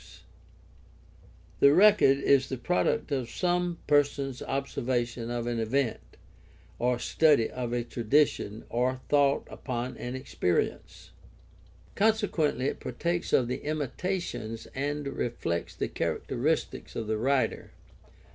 122 GUIDE TO STUDY OF CHRISTIAN RELIGION The record is the product of some person's observation of an event, or study of a tradition, or thought upon an experience. Consequently it partakes of the Hmitations and reflects the characteristics of the writer.